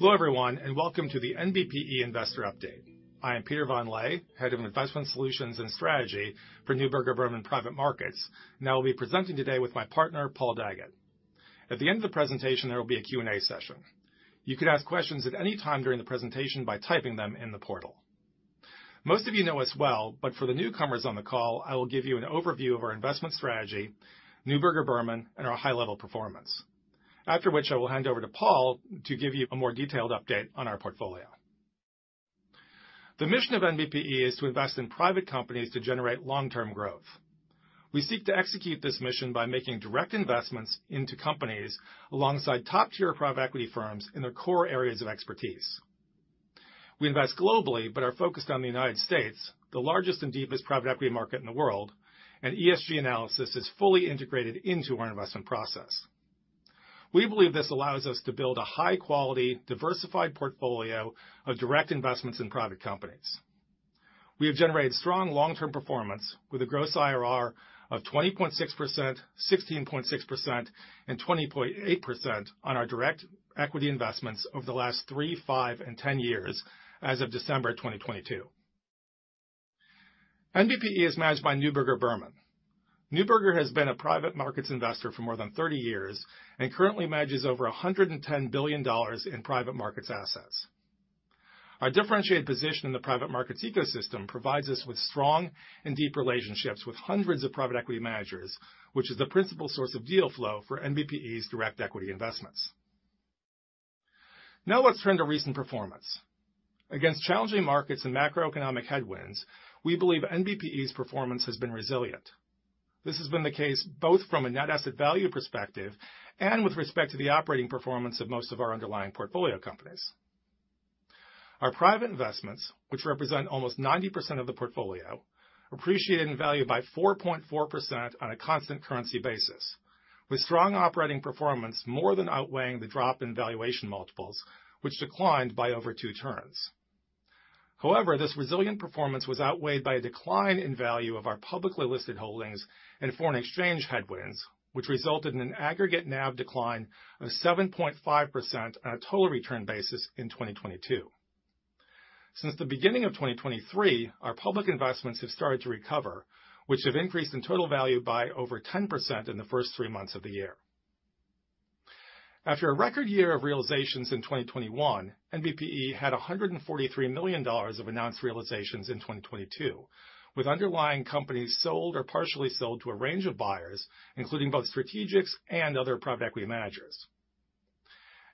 Hello, everyone, welcome to the NBPE Investor Update. I am Peter von Lehe, Head of Investment Solutions and Strategy for Neuberger Berman Private Markets, and I will be presenting today with my partner, Paul Daggett. At the end of the presentation, there will be a Q&A session. You could ask questions at any time during the presentation by typing them in the portal. Most of you know us well, but for the newcomers on the call, I will give you an overview of our investment strategy, Neuberger Berman, and our high-level performance. After which, I will hand over to Paul to give you a more detailed update on our portfolio. The mission of NBPE is to invest in private companies to generate long-term growth. We seek to execute this mission by making direct investments into companies alongside top-tier private equity firms in their core areas of expertise. We invest globally, but are focused on the United States, the largest and deepest private equity market in the world, and ESG analysis is fully integrated into our investment process. We believe this allows us to build a high quality, diversified portfolio of direct investments in private companies. We have generated strong long-term performance with a gross IRR of 20.6%, 16.6%, and 20.8% on our direct equity investments over the last three, five, and 10 years as of December 2022. NBPE is managed by Neuberger Berman. Neuberger has been a private markets investor for more than 30 years, and currently manages over $110 billion in private markets assets. Our differentiated position in the private markets ecosystem provides us with strong and deep relationships with hundreds of private equity managers, which is the principal source of deal flow for NBPE's direct equity investments. Now let's turn to recent performance. Against challenging markets and macroeconomic headwinds, we believe NBPE's performance has been resilient. This has been the case both from a net asset value perspective and with respect to the operating performance of most of our underlying portfolio companies. Our private investments, which represent almost 90% of the portfolio, appreciated in value by 4.4% on a constant currency basis, with strong operating performance more than outweighing the drop in valuation multiples, which declined by over two turns. However, this resilient performance was outweighed by a decline in value of our publicly listed holdings and foreign exchange headwinds, which resulted in an aggregate NAV decline of 7.5% on a total return basis in 2022. Since the beginning of 2023, our public investments have started to recover, which have increased in total value by over 10% in the first three months of the year. After a record year of realizations in 2021, NBPE had $143 million of announced realizations in 2022, with underlying companies sold or partially sold to a range of buyers, including both strategics and other private equity managers.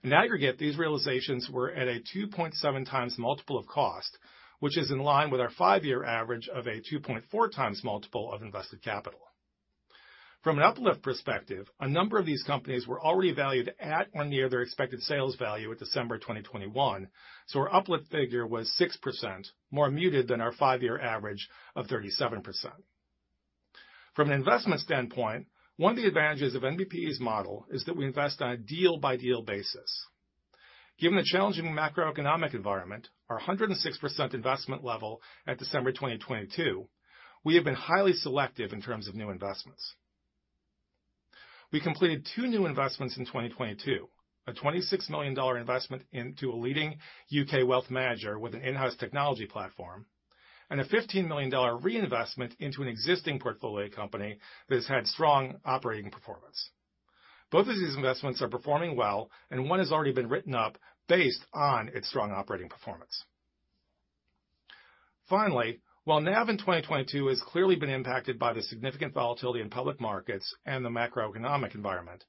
In aggregate, these realizations were at a 2.7x multiple of cost, which is in line with our five-year average of a 2.4x multiple of invested capital. From an uplift perspective, a number of these companies were already valued at or near their expected sales value at December 2021, so our uplift figure was 6%, more muted than our five-year average of 37%. From an investment standpoint, one of the advantages of NBPE's model is that we invest on a deal-by-deal basis. Given the challenging macroeconomic environment, our 106% investment level at December 2022, we have been highly selective in terms of new investments. We completed two new investments in 2022, a $26 million investment into a leading U.K. wealth manager with an in-house technology platform, and a $15 million reinvestment into an existing portfolio company that has had strong operating performance. Both of these investments are performing well, and one has already been written up based on its strong operating performance. While NAV in 2022 has clearly been impacted by the significant volatility in public markets and the macroeconomic environment,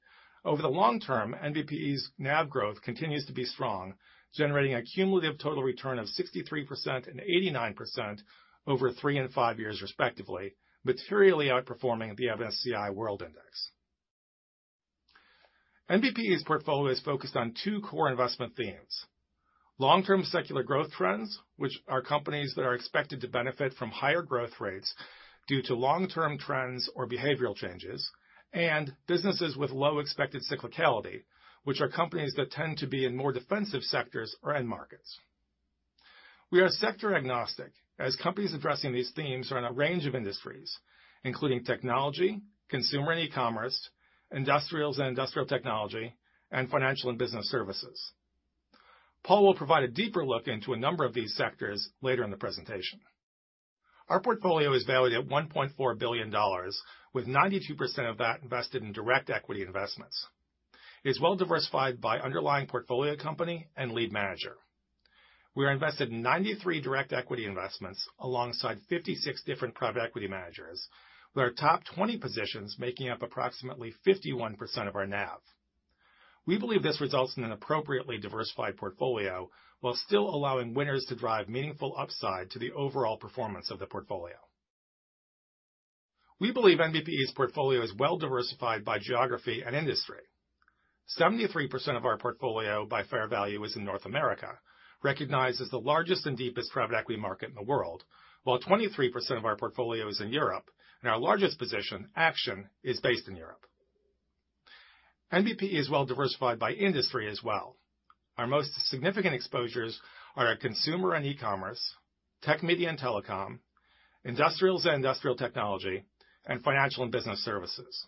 over the long term, NBPE's NAV growth continues to be strong, generating a cumulative total return of 63% and 89% over three and five years respectively, materially outperforming the MSCI World Index. NBPE's portfolio is focused on two core investment themes. Long-term secular growth trends, which are companies that are expected to benefit from higher growth rates due to long-term trends or behavioral changes, and businesses with low expected cyclicality, which are companies that tend to be in more defensive sectors or end markets. We are sector agnostic, as companies addressing these themes are in a range of industries, including technology, consumer and e-commerce, industrials and industrial technology, and financial and business services. Paul will provide a deeper look into a number of these sectors later in the presentation. Our portfolio is valued at $1.4 billion, with 92% of that invested in direct equity investments. It is well diversified by underlying portfolio company and lead manager. We are invested in 93 direct equity investments alongside 56 different private equity managers, with our top 20 positions making up approximately 51% of our NAV. We believe this results in an appropriately diversified portfolio while still allowing winners to drive meaningful upside to the overall performance of the portfolio. We believe NBPE's portfolio is well diversified by geography and industry. 73% of our portfolio by fair value is in North America, recognized as the largest and deepest private equity market in the world, while 23% of our portfolio is in Europe, and our largest position, Action, is based in Europe. NBPE is well diversified by industry as well. Our most significant exposures are our consumer and e-commerce, tech media and telecom, industrials and industrial technology, and financial and business services.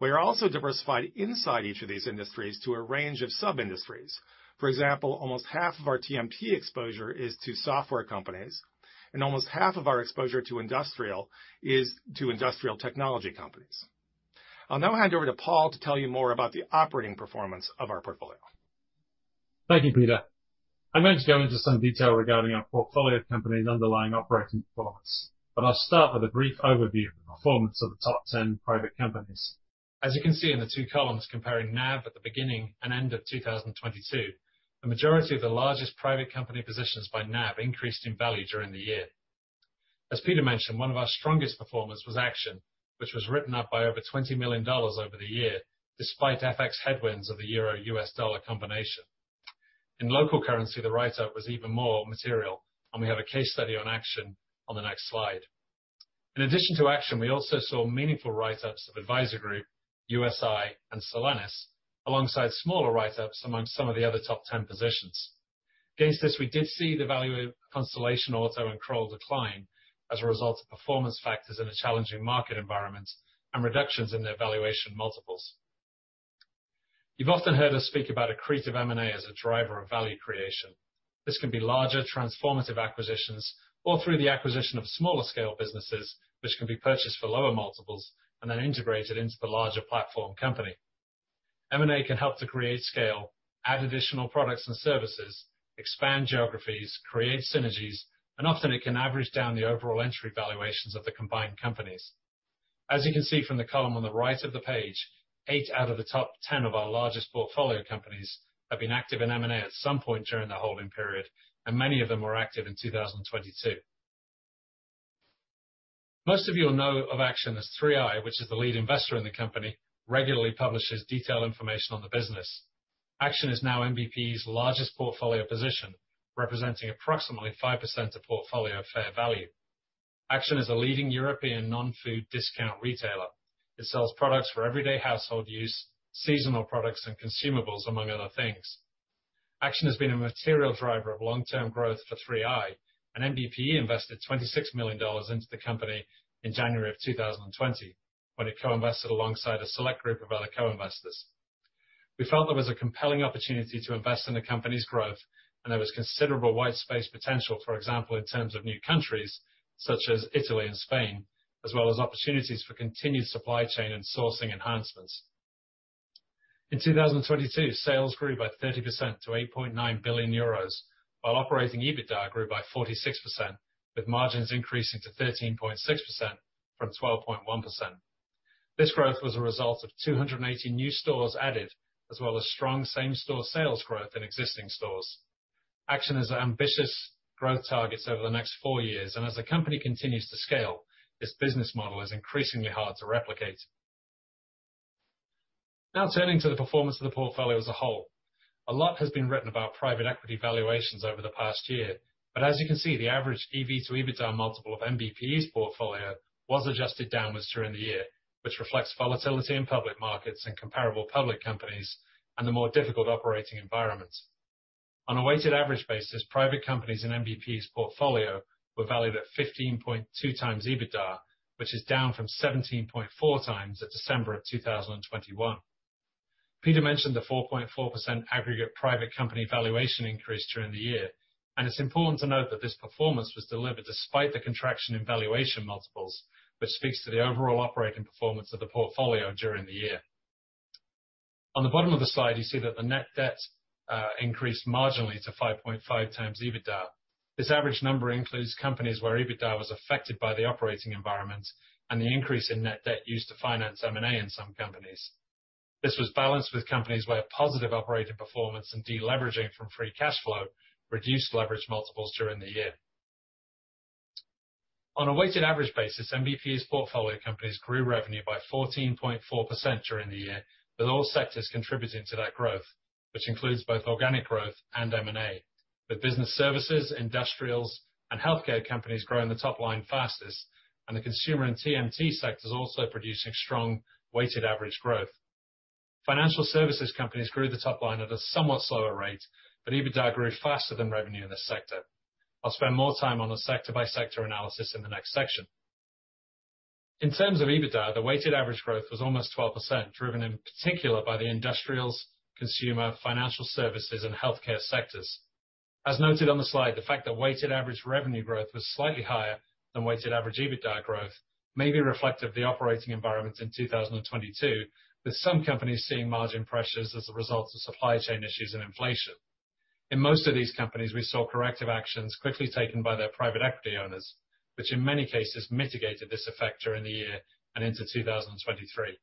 We are also diversified inside each of these industries to a range of sub-industries. For example, almost half of our TMT exposure is to software companies, and almost half of our exposure to industrial is to industrial technology companies. I'll now hand over to Paul to tell you more about the operating performance of our portfolio. Thank you, Peter. I'm going to go into some detail regarding our portfolio companies' underlying operating performance, but I'll start with a brief overview of the performance of the top 10 private companies. As you can see in the two columns comparing NAV at the beginning and end of 2022, the majority of the largest private company positions by NAV increased in value during the year. As Peter mentioned, one of our strongest performers was Action, which was written up by over $20 million over the year, despite FX headwinds of the Euro-U.S. dollar combination. In local currency, the write-up was even more material, and we have a case study on Action on the next slide. In addition to Action, we also saw meaningful write-ups of Advisor Group, USI, and Solenis, alongside smaller write-ups amongst some of the other top 10 positions. Against this, we did see the value of Constellation Auto and Kroll decline as a result of performance factors in a challenging market environment and reductions in their valuation multiples. You've often heard us speak about accretive M&A as a driver of value creation. This can be larger transformative acquisitions or through the acquisition of smaller scale businesses which can be purchased for lower multiples and then integrated into the larger platform company. M&A can help to create scale, add additional products and services, expand geographies, create synergies, and often it can average down the overall entry valuations of the combined companies. As you can see from the column on the right of the page, eight out of the top 10 of our largest portfolio companies have been active in M&A at some point during the holding period, and many of them were active in 2022. Most of you will know of Action as 3i, which is the lead investor in the company, regularly publishes detailed information on the business. Action is now NBPE's largest portfolio position, representing approximately 5% of portfolio fair value. Action is a leading European non-food discount retailer. It sells products for everyday household use, seasonal products, and consumables, among other things. Action has been a material driver of long-term growth for 3i. NBPE invested $26 million into the company in January 2020, when it co-invested alongside a select group of other co-investors. We felt there was a compelling opportunity to invest in the company's growth. There was considerable white space potential, for example, in terms of new countries such as Italy and Spain, as well as opportunities for continued supply chain and sourcing enhancements. In 2022, sales grew by 30% to 8.9 billion euros, while operating EBITDA grew by 46%, with margins increasing to 13.6% from 12.1%. This growth was a result of 280 new stores added, as well as strong same store sales growth in existing stores. Action has ambitious growth targets over the next four years, and as the company continues to scale, this business model is increasingly hard to replicate. Turning to the performance of the portfolio as a whole. A lot has been written about private equity valuations over the past year, but as you can see, the average EV to EBITDA multiple of NBPE's portfolio was adjusted downwards during the year, which reflects volatility in public markets and comparable public companies and the more difficult operating environment. On a weighted average basis, private companies in NBPE's portfolio were valued at 15.2x EBITDA, which is down from 17.4x at December of 2021. Peter mentioned the 4.4% aggregate private company valuation increase during the year. It's important to note that this performance was delivered despite the contraction in valuation multiples, which speaks to the overall operating performance of the portfolio during the year. On the bottom of the slide, you see that the net debt increased marginally to 5.5x EBITDA. This average number includes companies where EBITDA was affected by the operating environment and the increase in net debt used to finance M&A in some companies. This was balanced with companies where positive operating performance and de-leveraging from free cash flow reduced leverage multiples during the year. On a weighted average basis, NBPE's portfolio companies grew revenue by 14.4% during the year, with all sectors contributing to that growth, which includes both organic growth and M&A, with business services, industrials, and healthcare companies growing the top line fastest and the consumer and TMT sectors also producing strong weighted average growth. Financial services companies grew the top line at a somewhat slower rate, but EBITDA grew faster than revenue in this sector. I'll spend more time on the sector-by-sector analysis in the next section. In terms of EBITDA, the weighted average growth was almost 12%, driven in particular by the industrials, consumer, financial services, and healthcare sectors. As noted on the slide, the fact that weighted average revenue growth was slightly higher than weighted average EBITDA growth may be reflective of the operating environment in 2022, with some companies seeing margin pressures as a result of supply chain issues and inflation. In most of these companies, we saw corrective actions quickly taken by their private equity owners, which in many cases mitigated this effect during the year and into 2023.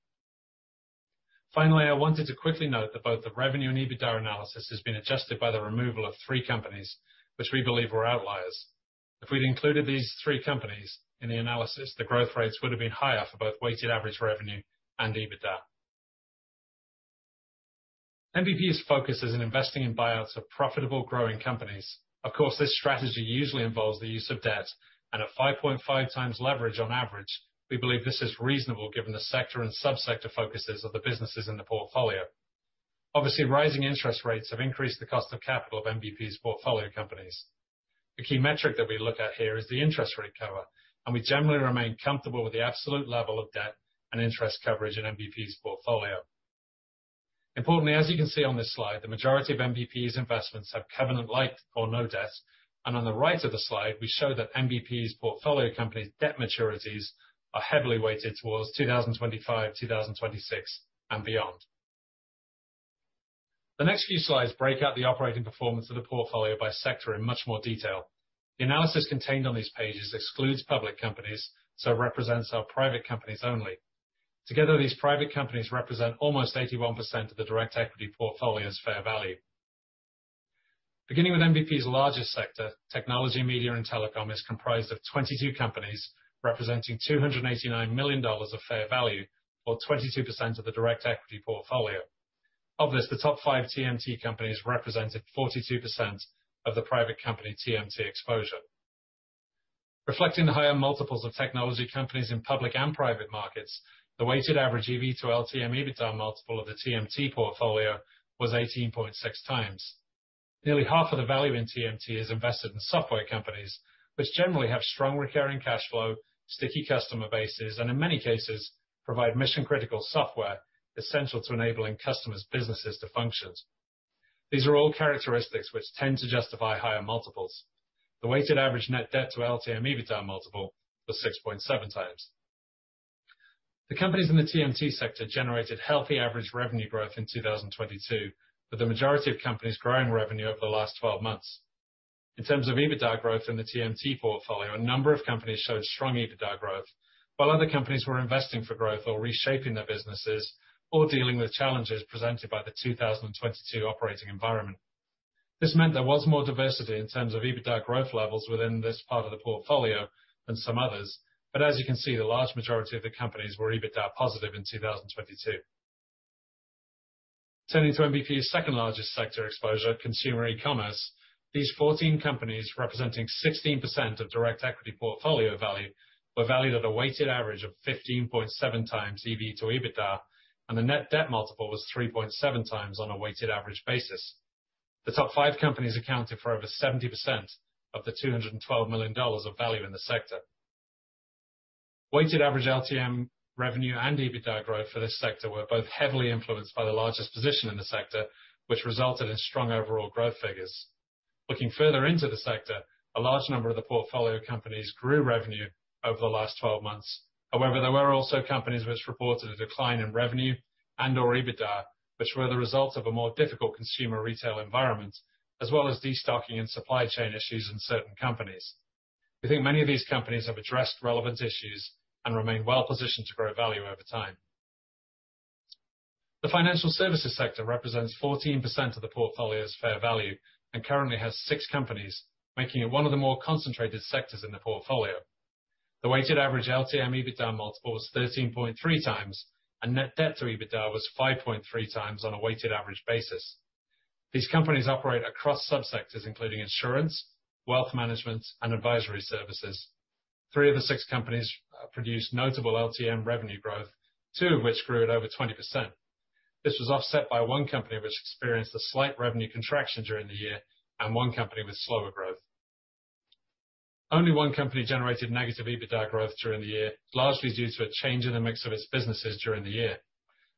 Finally, I wanted to quickly note that both the revenue and EBITDA analysis has been adjusted by the removal of three companies which we believe were outliers. If we'd included these three companies in the analysis, the growth rates would have been higher for both weighted average revenue and EBITDA. NBPE's focus is in investing in buyouts of profitable growing companies. Of course, this strategy usually involves the use of debt, and at 5.5x leverage on average, we believe this is reasonable given the sector and subsector focuses of the businesses in the portfolio. Obviously, rising interest rates have increased the cost of capital of NBPE's portfolio companies. The key metric that we look at here is the interest rate cover, and we generally remain comfortable with the absolute level of debt and interest coverage in NBPE's portfolio. Importantly, as you can see on this slide, the majority of NBPE's investments have covenant-lite or no debt. On the right of the slide, we show that NBPE's portfolio companies debt maturities are heavily weighted towards 2025, 2026, and beyond. The next few slides break out the operating performance of the portfolio by sector in much more detail. The analysis contained on these pages excludes public companies, so represents our private companies only. Together, these private companies represent almost 81% of the direct equity portfolio's fair value. Beginning with NBPE's largest sector, Technology, Media, and Telecom is comprised of 22 companies representing $289 million of fair value, or 22% of the direct equity portfolio. Of this, the top five TMT companies represented 42% of the private company TMT exposure. Reflecting the higher multiples of technology companies in public and private markets, the weighted average EV to LTM EBITDA multiple of the TMT portfolio was 18.6x. Nearly half of the value in TMT is invested in software companies, which generally have strong recurring cash flow, sticky customer bases, and in many cases, provide mission-critical software essential to enabling customers' businesses to function. These are all characteristics which tend to justify higher multiples. The weighted average net debt-to-LTM EBITDA multiple was 6.7x. The companies in the TMT sector generated healthy average revenue growth in 2022, with the majority of companies growing revenue over the last twelve months. In terms of EBITDA growth in the TMT portfolio, a number of companies showed strong EBITDA growth, while other companies were investing for growth or reshaping their businesses, or dealing with challenges presented by the 2022 operating environment. This meant there was more diversity in terms of EBITDA growth levels within this part of the portfolio than some others. As you can see, the large majority of the companies were EBITDA positive in 2022. Turning to NBPE's second largest sector exposure, consumer eCommerce. These 14 companies representing 16% of direct equity portfolio value, were valued at a weighted average of 15.7x EV to EBITDA, and the net debt multiple was 3.7x on a weighted average basis. The top five companies accounted for over 70% of the $212 million of value in the sector. Weighted average LTM revenue and EBITDA growth for this sector were both heavily influenced by the largest position in the sector, which resulted in strong overall growth figures. Looking further into the sector, a large number of the portfolio companies grew revenue over the last 12 months. However, there were also companies which reported a decline in revenue and/or EBITDA, which were the result of a more difficult consumer retail environment, as well as destocking and supply chain issues in certain companies. We think many of these companies have addressed relevant issues and remain well-positioned to grow value over time. The financial services sector represents 14% of the portfolio's fair value and currently has six companies, making it one of the more concentrated sectors in the portfolio. The weighted average LTM EBITDA multiple was 13.3x, and net debt-to-EBITDA was 5.3x on a weighted average basis. These companies operate across subsectors including insurance, wealth management, and advisory services. Three of the six companies produced notable LTM revenue growth, two of which grew at over 20%. This was offset by one company which experienced a slight revenue contraction during the year, and one company with slower growth. Only one company generated negative EBITDA growth during the year, largely due to a change in the mix of its businesses during the year.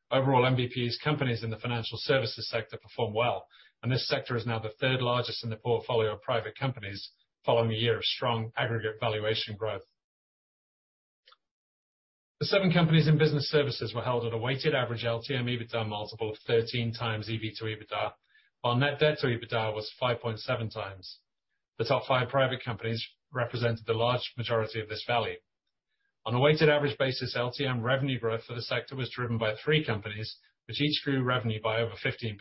Overall, NBPE's companies in the financial services sector performed well, and this sector is now the third largest in the portfolio of private companies following a year of strong aggregate valuation growth. The seven companies in business services were held at a weighted average LTM EBITDA multiple of 13x EV to EBITDA, while net debt-to-EBITDA was 5.7x. The top five private companies represented the large majority of this value. On a weighted average basis, LTM revenue growth for the sector was driven by three companies, which each grew revenue by over 15%.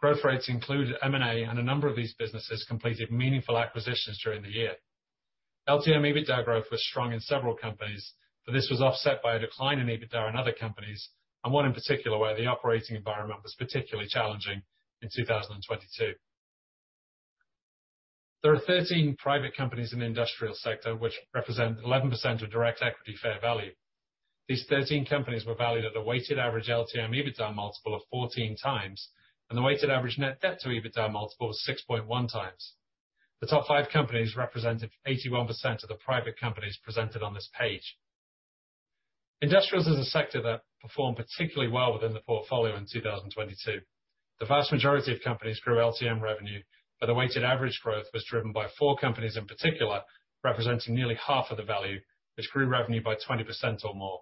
Growth rates included M&A, and a number of these businesses completed meaningful acquisitions during the year. LTM EBITDA growth was strong in several companies, but this was offset by a decline in EBITDA in other companies, and one in particular where the operating environment was particularly challenging in 2022. There are 13 private companies in the industrial sector which represent 11% of direct equity fair value. These 13 companies were valued at a weighted average LTM EBITDA multiple of 14x, and the weighted average net debt-to-EBITDA multiple was 6.1x. The top five companies represented 81% of the private companies presented on this page. Industrials is a sector that performed particularly well within the portfolio in 2022. The vast majority of companies grew LTM revenue, but the weighted average growth was driven by four companies in particular, representing nearly half of the value, which grew revenue by 20% or more.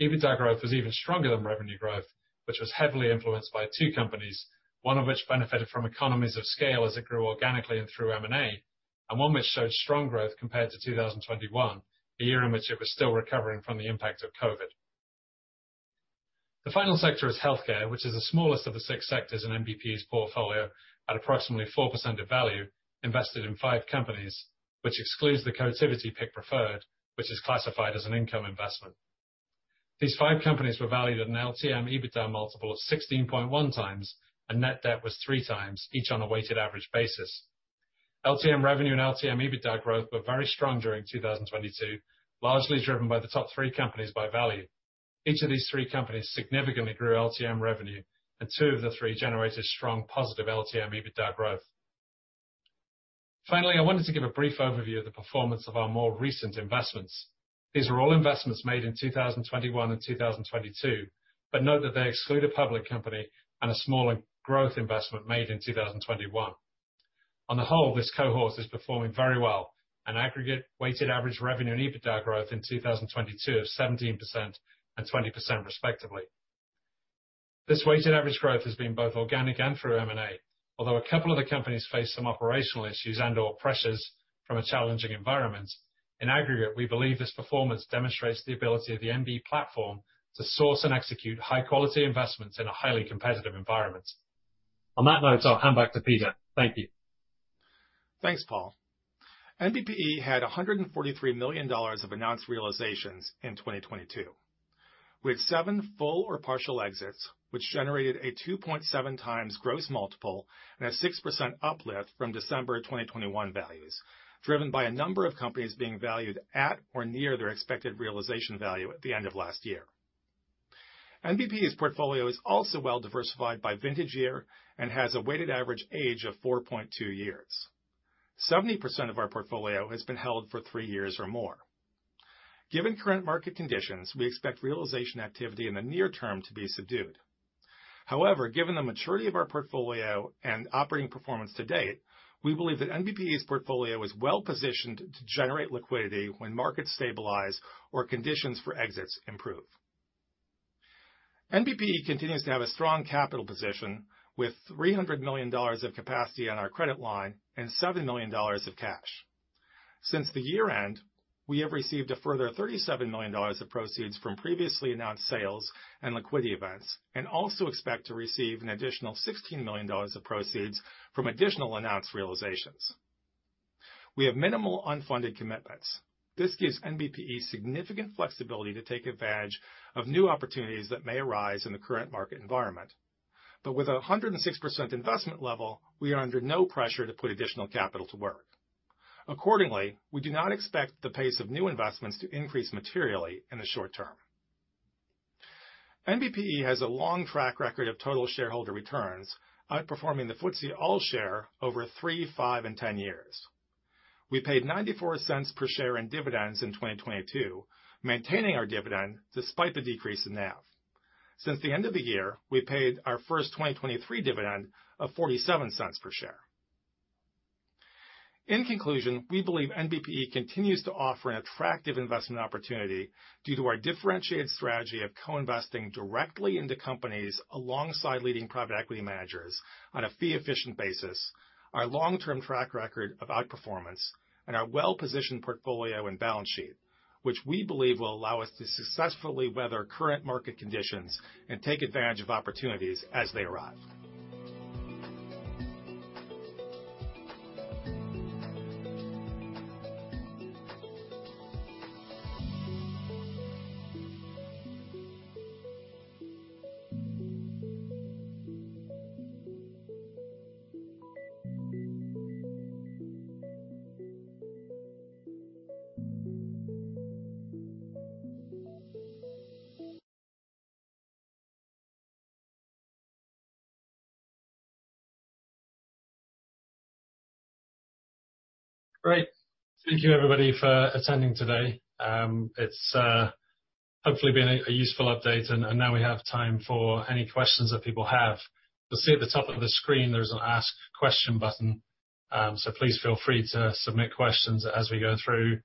EBITDA growth was even stronger than revenue growth, which was heavily influenced by two companies, one of which benefited from economies of scale as it grew organically and through M&A, and one which showed strong growth compared to 2021, the year in which it was still recovering from the impact of COVID. The final sector is healthcare, which is the smallest of the six sectors in NBPE's portfolio at approximately 4% of value invested in five companies, which excludes the Cotiviti PIK Preferred, which is classified as an income investment. These five companies were valued at an LTM EBITDA multiple of 16.1x, and net debt was 3x each on a weighted average basis. LTM revenue and LTM EBITDA growth were very strong during 2022, largely driven by the top three companies by value. Each of these three companies significantly grew LTM revenue, and two of the three generated strong positive LTM EBITDA growth. Finally, I wanted to give a brief overview of the performance of our more recent investments. These were all investments made in 2021 and 2022, but note that they exclude a public company and a smaller growth investment made in 2021. On the whole, this cohort is performing very well, an aggregate weighted average revenue and EBITDA growth in 2022 of 17% and 20% respectively. This weighted average growth has been both organic and through M&A. A couple of the companies face some operational issues and or pressures from a challenging environment, in aggregate, we believe this performance demonstrates the ability of the NB platform to source and execute high-quality investments in a highly competitive environment. On that note, I'll hand back to Peter. Thank you. Thanks, Paul. NBPE had $143 million of announced realizations in 2022. We had seven full or partial exits, which generated a 2.7x gross multiple and a 6% uplift from December 2021 values, driven by a number of companies being valued at or near their expected realization value at the end of last year. NBPE's portfolio is also well diversified by vintage year and has a weighted average age of 4.2 years. 70% of our portfolio has been held for three years or more. Given current market conditions, we expect realization activity in the near term to be subdued. However, given the maturity of our portfolio and operating performance to date, we believe that NBPE's portfolio is well-positioned to generate liquidity when markets stabilize or conditions for exits improve. NBPE continues to have a strong capital position with $300 million of capacity on our credit line and $7 million of cash. Since the year-end, we have received a further $37 million of proceeds from previously announced sales and liquidity events, and also expect to receive an additional $16 million of proceeds from additional announced realizations. We have minimal unfunded commitments. This gives NBPE significant flexibility to take advantage of new opportunities that may arise in the current market environment. With 106% investment level, we are under no pressure to put additional capital to work. Accordingly, we do not expect the pace of new investments to increase materially in the short term. NBPE has a long track record of total shareholder returns, outperforming the FTSE All-Share over three, five, and 10 years. We paid $0.94 per share in dividends in 2022, maintaining our dividend despite the decrease in NAV. Since the end of the year, we paid our first 2023 dividend of $0.47 per share. In conclusion, we believe NBPE continues to offer an attractive investment opportunity due to our differentiated strategy of co-investing directly into companies alongside leading private equity managers on a fee-efficient basis, our long-term track record of outperformance, and our well-positioned portfolio and balance sheet, which we believe will allow us to successfully weather current market conditions and take advantage of opportunities as they arrive. Great. Thank you, everybody, for attending today. It's hopefully been a useful update, and now we have time for any questions that people have. You'll see at the top of the screen there's an Ask Question button, so please feel free to submit questions as we go through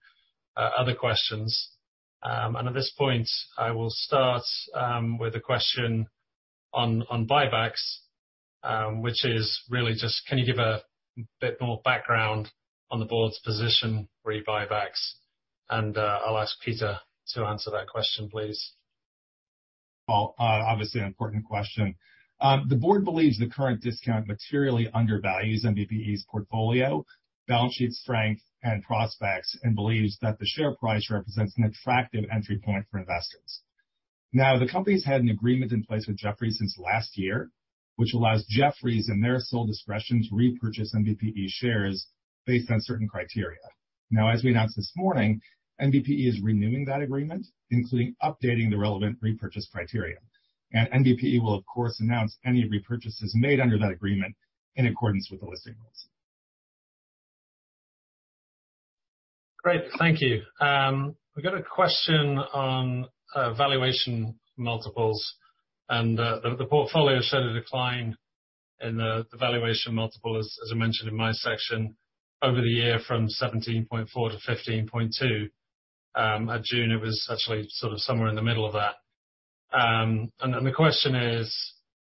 other questions. At this point, I will start with a question on buybacks, which is really just can you give a bit more background on the board's position re buybacks? I'll ask Peter to answer that question, please. Well, obviously an important question. The board believes the current discount materially undervalues NBPE's portfolio, balance sheet strength, and prospects, and believes that the share price represents an attractive entry point for investors. The company's had an agreement in place with Jefferies since last year, which allows Jefferies, in their sole discretion, to repurchase NBPE shares based on certain criteria. As we announced this morning, NBPE is renewing that agreement, including updating the relevant repurchase criteria. NBPE will of course announce any repurchases made under that agreement in accordance with the listing rules. Great. Thank you. We've got a question on valuation multiples, and the portfolio showed a decline in the valuation multiple, as I mentioned in my section, over the year from 17.4-15.2. At June, it was actually sort of somewhere in the middle of that. The question is,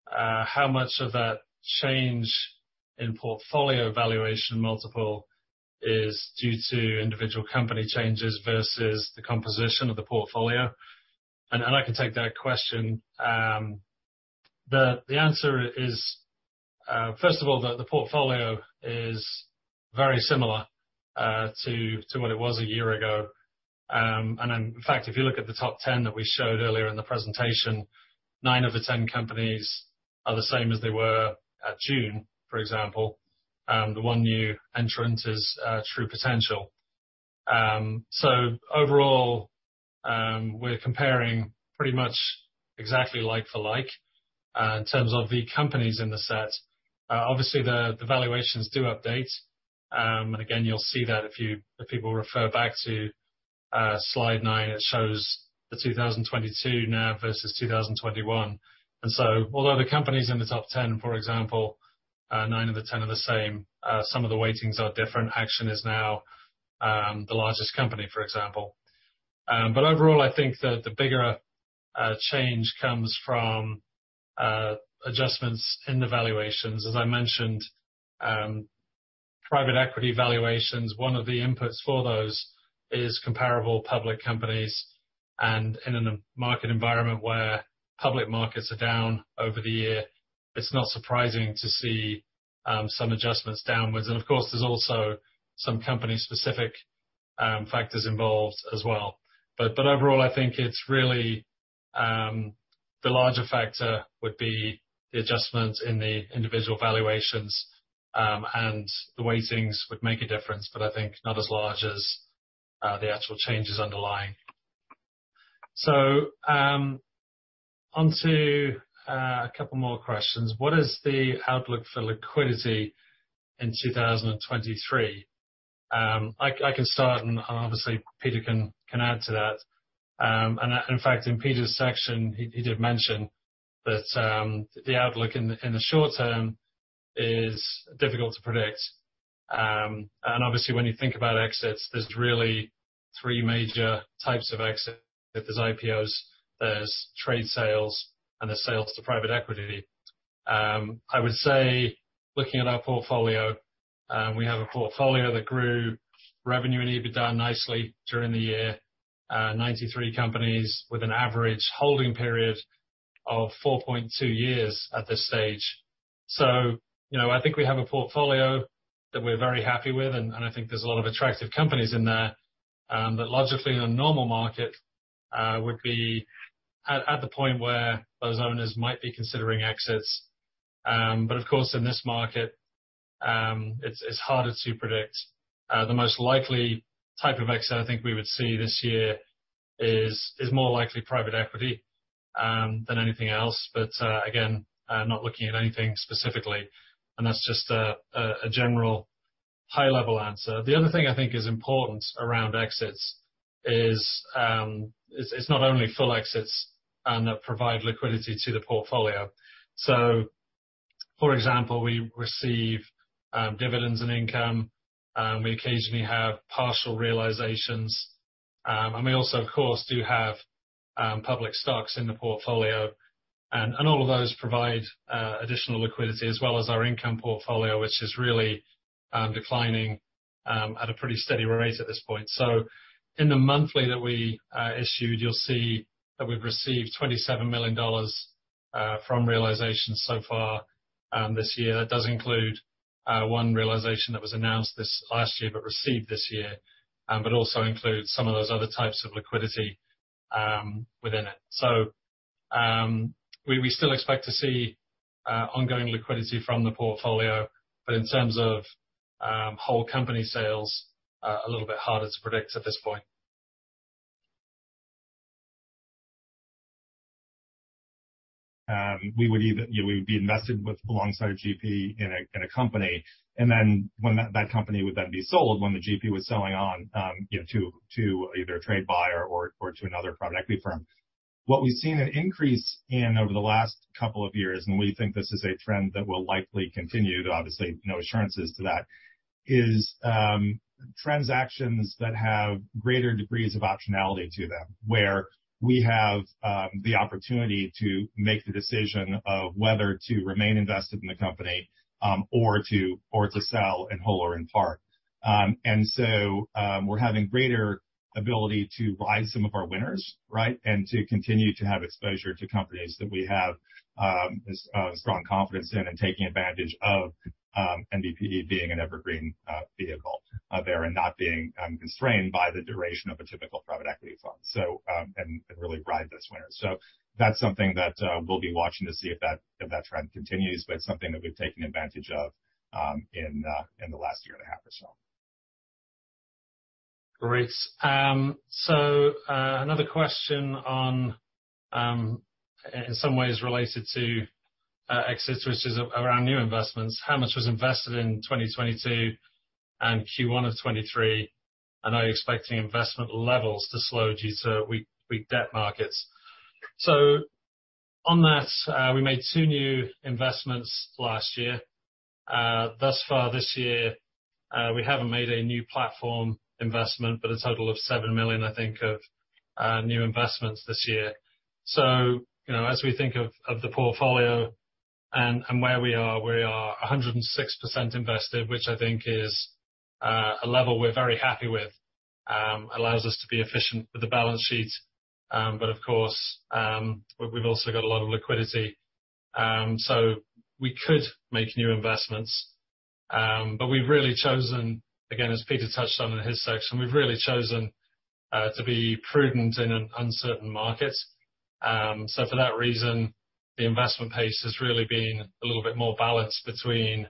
how much of that change in portfolio valuation multiple is due to individual company changes versus the composition of the portfolio? I can take that question. The answer is, first of all, the portfolio is very similar to what it was a year ago. In fact, if you look at the top 10 that we showed earlier in the presentation, nine of the 10 companies are the same as they were at June, for example. The one new entrant is True Potential. Overall, we're comparing pretty much exactly like for like in terms of the companies in the set. Obviously the valuations do update. Again, you'll see that if people refer back to slide nine, it shows the 2022 now versus 2021. Although the companies in the top 10, for example, nine of the 10 are the same, some of the weightings are different. Action is now the largest company, for example. Overall, I think the bigger change comes from adjustments in the valuations. As I mentioned, private equity valuations, one of the inputs for those is comparable public companies. In a market environment where public markets are down over the year, it's not surprising to see some adjustments downwards. Of course, there's also some company-specific factors involved as well. Overall, I think it's really the larger factor would be the adjustments in the individual valuations and the way things would make a difference, but I think not as large as the actual changes underlying. Onto a couple more questions. What is the outlook for liquidity in 2023? I can start and obviously Peter can add to that. In fact, in Peter's section, he did mention that the outlook in the short term is difficult to predict. Obviously when you think about exits, there's really three major types of exits. There's IPOs, there's trade sales, and there's sales to private equity. I would say, looking at our portfolio, we have a portfolio that grew revenue and EBITDA nicely during the year. 93 companies with an average holding period of 4.2 years at this stage. You know, I think we have a portfolio that we're very happy with, and I think there's a lot of attractive companies in there that logically in a normal market would be at the point where those owners might be considering exits. Of course, in this market, it's harder to predict. The most likely type of exit I think we would see this year is more likely private equity than anything else. Again, I'm not looking at anything specifically, and that's just a general high-level answer. The other thing I think is important around exits is not only full exits and that provide liquidity to the portfolio. For example, we receive dividends and income, we occasionally have partial realizations. We also, of course, do have public stocks in the portfolio. All of those provide additional liquidity as well as our income portfolio, which is really declining at a pretty steady rate at this point. In the monthly that we issued, you'll see that we've received $27 million from realization so far this year. That does include one realization that was announced this last year, but received this year, but also includes some of those other types of liquidity within it. We still expect to see ongoing liquidity from the portfolio, but in terms of whole company sales, a little bit harder to predict at this point. We would be invested with alongside a GP in a company. When that company would then be sold, when the GP was selling on, you know, to either a trade buyer or to another private equity firm. What we've seen an increase in over the last couple of years, and we think this is a trend that will likely continue, though obviously no assurances to that, is transactions that have greater degrees of optionality to them, where we have the opportunity to make the decision of whether to remain invested in the company or to sell in whole or in part. We're having greater ability to ride some of our winners, right? To continue to have exposure to companies that we have strong confidence in, and taking advantage of NBPE being an evergreen vehicle there and not being constrained by the duration of a typical private equity fund. And really ride those winners. That's something that we'll be watching to see if that trend continues, but something that we've taken advantage of in the last year and a half or so. Great. Another question on, in some ways related to, exits, which is around new investments. How much was invested in 2022 and Q1 of 2023? Are you expecting investment levels to slow due to weak debt markets? On that, we made two new investments last year. Thus far this year, we haven't made a new platform investment, but a total of $7 million, I think, of new investments this year. You know, as we think of the portfolio and where we are, we are 106% invested, which I think is a level we're very happy with, allows us to be efficient with the balance sheet. Of course, we've also got a lot of liquidity, we could make new investments. We've really chosen, again, as Peter touched on in his section, we've really chosen to be prudent in an uncertain market. For that reason, the investment pace has really been a little bit more balanced between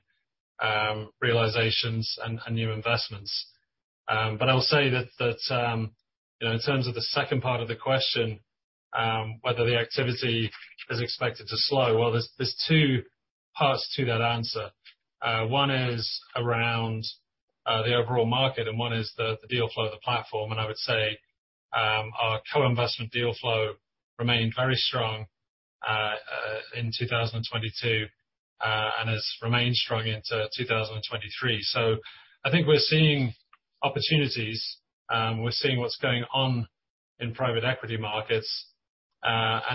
realizations and new investments. I'll say that, you know, in terms of the second part of the question, whether the activity is expected to slow, well, there's two parts to that answer. One is around the overall market and one is the deal flow of the platform. I would say our co-investment deal flow remained very strong in 2022 and has remained strong into 2023. I think we're seeing opportunities, we're seeing what's going on in private equity markets.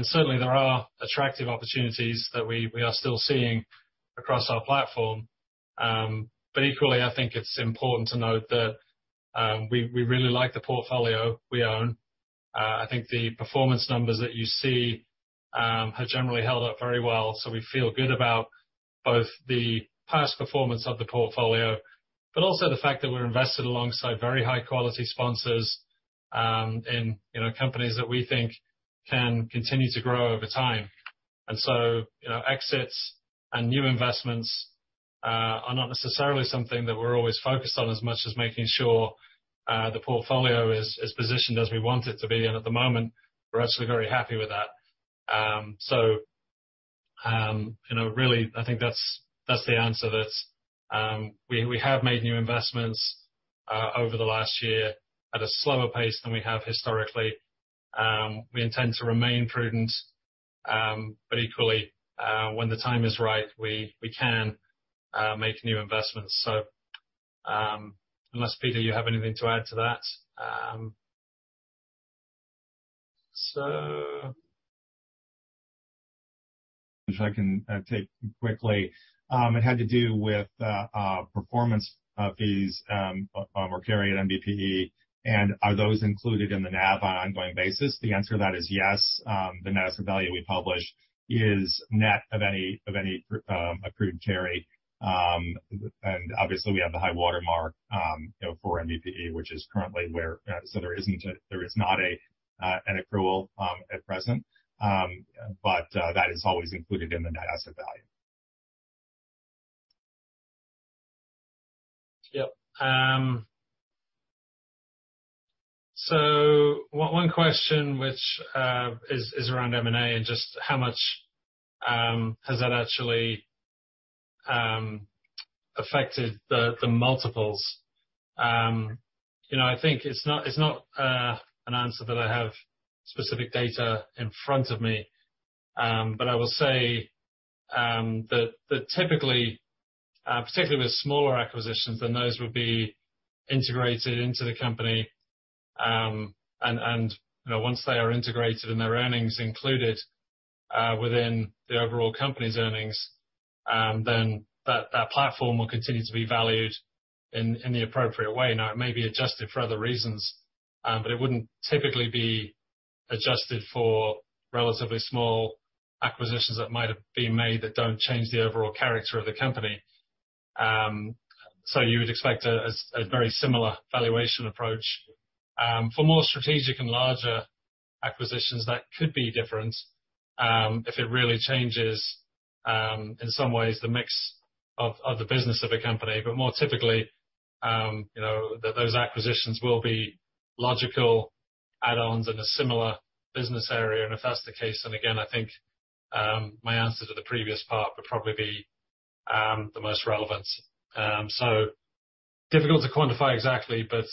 Certainly there are attractive opportunities that we are still seeing across our platform. Equally, I think it's important to note that, we really like the portfolio we own. I think the performance numbers that you see, have generally held up very well, so we feel good about both the past performance of the portfolio, but also the fact that we're invested alongside very high-quality sponsors, in, you know, companies that we think can continue to grow over time. You know, exits and new investments, are not necessarily something that we're always focused on as much as making sure, the portfolio is positioned as we want it to be. At the moment, we're actually very happy with that. You know, really, I think that's the answer. We have made new investments over the last year at a slower pace than we have historically. We intend to remain prudent. Equally, when the time is right, we can make new investments. Unless, Peter, you have anything to add to that? Which I can take quickly. It had to do with performance fees, or carry at NBPE and are those included in the NAV on an ongoing basis? The answer to that is yes. The net asset value we publish is net of any approved carry. Obviously we have the high-water mark, you know, for NBPE, which is currently so there is not an approval at present. That is always included in the net asset value. Yep. One question which is around M&A and just how much has that actually affected the multiples? You know, I think it's not an answer that I have specific data in front of me. I will say that typically, particularly with smaller acquisitions than those would be integrated into the company, and, you know, once they are integrated and their earnings included within the overall company's earnings, then that platform will continue to be valued in the appropriate way. Now, it may be adjusted for other reasons, but it wouldn't typically be adjusted for relatively small acquisitions that might have been made that don't change the overall character of the company. You would expect a very similar valuation approach. For more strategic and larger acquisitions, that could be different, if it really changes, in some ways the mix of the business of a company. More typically, you know, those acquisitions will be logical add-ons in a similar business area. If that's the case, then again, I think, my answer to the previous part would probably be the most relevant. Difficult to quantify exactly, but,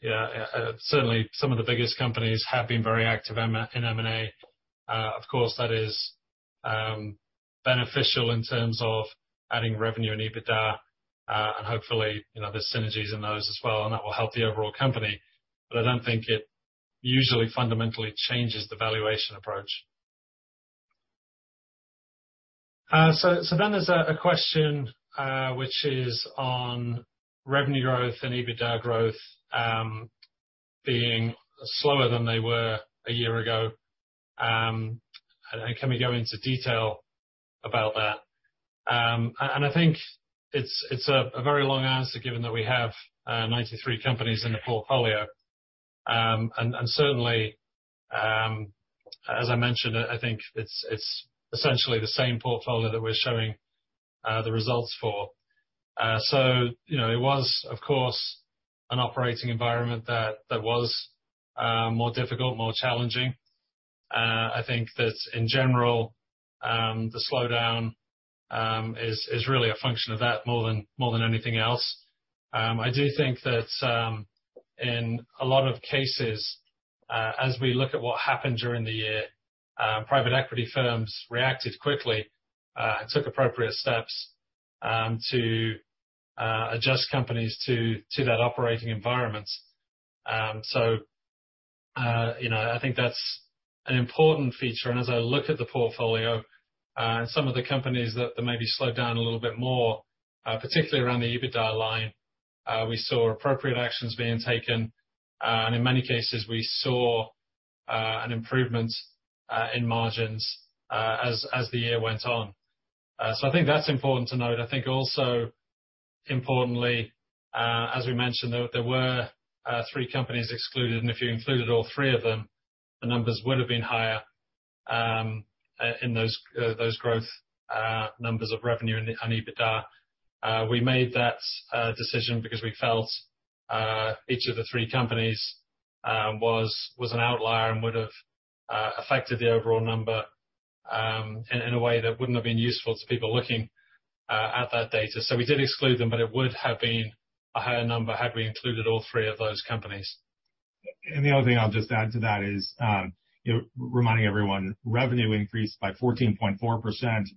yeah, certainly some of the biggest companies have been very active in M&A. Of course, that is beneficial in terms of adding revenue and EBITDA, and hopefully, you know, there's synergies in those as well, and that will help the overall company, but I don't think it usually fundamentally changes the valuation approach. Then there's a question, which is on revenue growth and EBITDA growth, being slower than they were a year ago. Can we go into detail about that? I think it's a very long answer given that we have 93 companies in the portfolio. Certainly, as I mentioned, I think it's essentially the same portfolio that we're showing the results for. You know, it was, of course, an operating environment that was more difficult, more challenging. I think that in general, the slowdown is really a function of that more than anything else. I do think that, in a lot of cases, as we look at what happened during the year, private equity firms reacted quickly and took appropriate steps to adjust companies to that operating environment. You know, I think that's an important feature. As I look at the portfolio, some of the companies that maybe slowed down a little bit more, particularly around the EBITDA line, we saw appropriate actions being taken. In many cases, we saw an improvement in margins as the year went on. I think that's important to note. I think also importantly, as we mentioned, there were three companies excluded, and if you included all three of them, the numbers would have been higher in those growth numbers of revenue and EBITDA. We made that decision because we felt each of the three companies was an outlier and would have affected the overall number in a way that wouldn't have been useful to people looking at that data. We did exclude them, but it would have been a higher number had we included all three of those companies. The other thing I'll just add to that is, reminding everyone, revenue increased by 14.4%,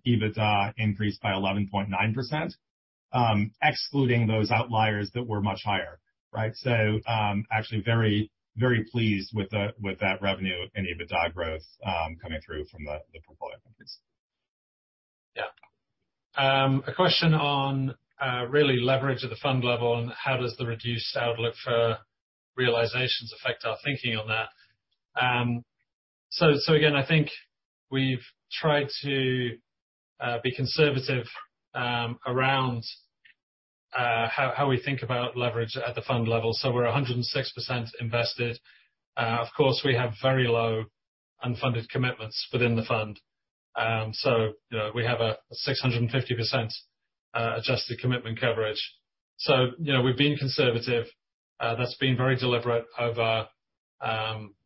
EBITDA increased by 11.9%, excluding those outliers that were much higher, right? Actually very, very pleased with that revenue and EBITDA growth, coming through from the portfolio companies. Yeah. A question on really leverage at the fund level and how does the reduced outlook for realizations affect our thinking on that. Again, I think we've tried to be conservative around how we think about leverage at the fund level. We're 106% invested. Of course, we have very low unfunded commitments within the fund. You know, we have a 650% adjusted commitment coverage. You know, we've been conservative. That's been very deliberate over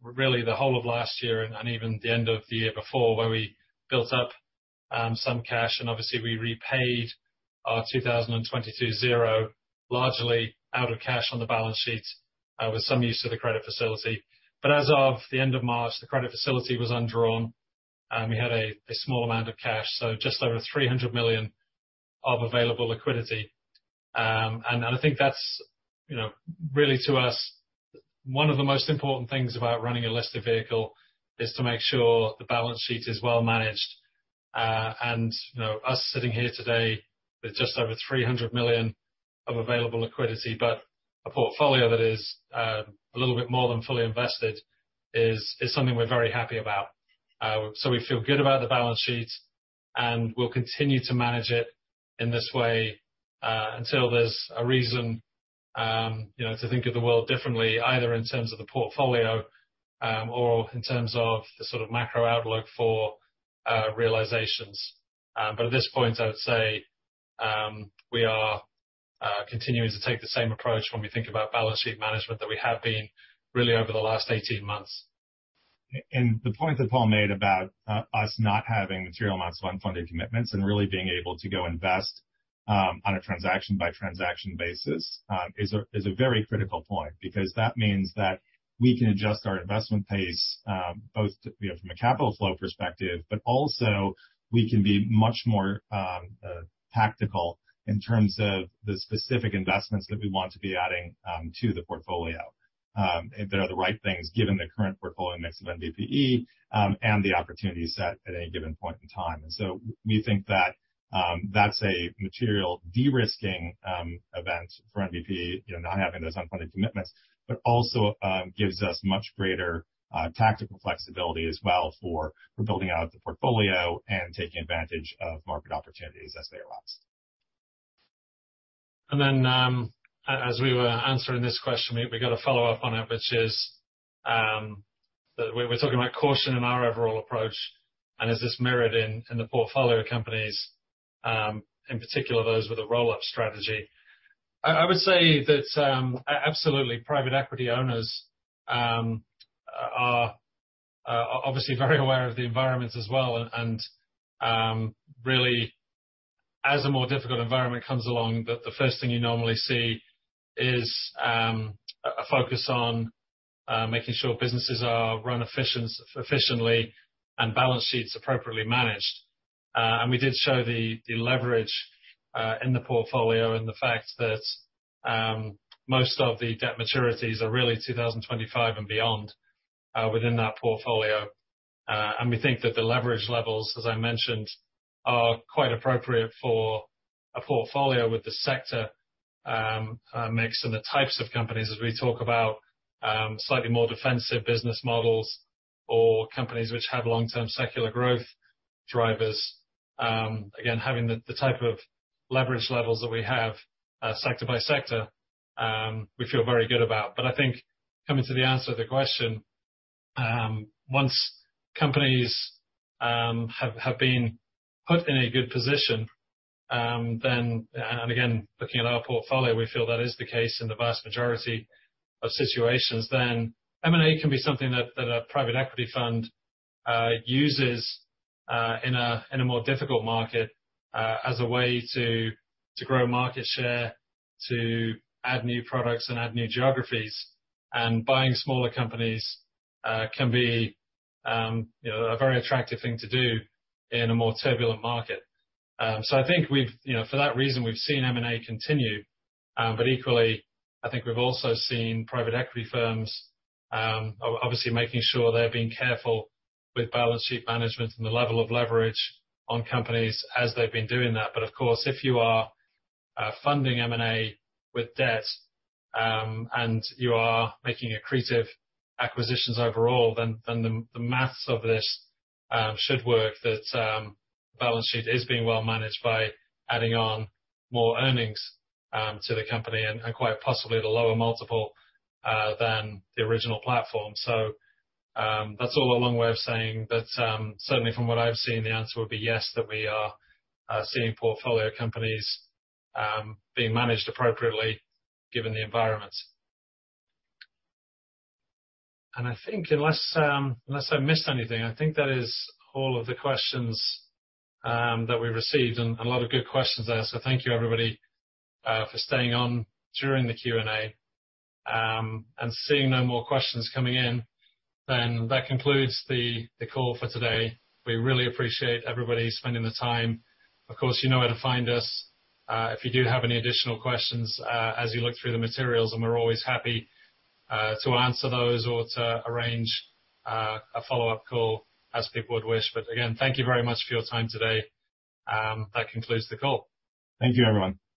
really the whole of last year and even the end of the year before, where we built up some cash. Obviously, we repaid our 2022 zero largely out of cash on the balance sheet with some use of the credit facility. As of the end of March, the credit facility was undrawn. We had a small amount of cash, just over $300 million of available liquidity. I think that's, you know, really, to us, one of the most important things about running a listed vehicle is to make sure the balance sheet is well managed. You know, us sitting here today with just over $300 million of available liquidity, but a portfolio that is a little bit more than fully invested is something we're very happy about. We feel good about the balance sheet, we'll continue to manage it in this way until there's a reason, you know, to think of the world differently, either in terms of the portfolio, or in terms of the sort of macro outlook for realizations. At this point, I would say, we are continuing to take the same approach when we think about balance sheet management that we have been really over the last 18 months. The point that Paul made about us not having material amounts of unfunded commitments and really being able to go invest on a transaction-by-transaction basis is a very critical point because that means that we can adjust our investment pace, both, you know, from a capital flow perspective, but also we can be much more tactical in terms of the specific investments that we want to be adding to the portfolio if they are the right things, given the current portfolio mix of NBPE and the opportunity set at any given point in time. We think that that's a material de-risking event for NBPE, you know, not having those unfunded commitments, but also gives us much greater tactical flexibility as well for building out the portfolio and taking advantage of market opportunities as they arise. As we were answering this question, we got a follow-up on it, which is that we're talking about caution in our overall approach, and is this mirrored in the portfolio companies, in particular, those with a roll-up strategy. I would say that absolutely, private equity owners are obviously very aware of the environment as well. Really, as a more difficult environment comes along, the first thing you normally see is a focus on making sure businesses are run efficiently and balance sheets appropriately managed. We did show the leverage in the portfolio and the fact that most of the debt maturities are really 2025 and beyond within that portfolio. We think that the leverage levels, as I mentioned, are quite appropriate for a portfolio with the sector mix and the types of companies as we talk about slightly more defensive business models or companies which have long-term secular growth drivers. Again, having the type of leverage levels that we have sector by sector, we feel very good about. I think coming to the answer to the question, once companies have been put in a good position, and again, looking at our portfolio, we feel that is the case in the vast majority of situations, then M&A can be something that a private equity fund uses in a more difficult market as a way to grow market share, to add new products and add new geographies. Buying smaller companies, you know, a very attractive thing to do in a more turbulent market. I think you know, for that reason, we've seen M&A continue. Equally, I think we've also seen private equity firms obviously making sure they're being careful with balance sheet management and the level of leverage on companies as they've been doing that. Of course, if you are funding M&A with debt, and you are making accretive acquisitions overall, then the math of this should work, that balance sheet is being well managed by adding on more earnings to the company and quite possibly at a lower multiple than the original platform. That's all a long way of saying that, certainly from what I've seen, the answer would be yes, that we are seeing portfolio companies being managed appropriately given the environment. I think unless unless I missed anything, I think that is all of the questions that we received, and a lot of good questions there. Thank you, everybody, for staying on during the Q&A. Seeing no more questions coming in, that concludes the call for today. We really appreciate everybody spending the time. Of course, you know where to find us, if you do have any additional questions, as you look through the materials, and we're always happy to answer those or to arrange a follow-up call as people would wish. Again, thank you very much for your time today. That concludes the call. Thank you, everyone.